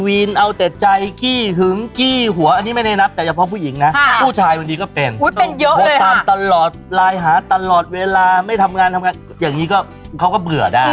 อันนี้ไม่ได้นับแต่เฉพาะผู้หญิงนะผู้ชายวันนี้ก็เป็นตามตลอดรายหาตลอดเวลาไม่ทำงานทำงานอย่างนี้เขาก็เบื่อได้